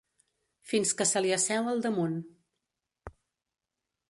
Fins que se li asseu al damunt.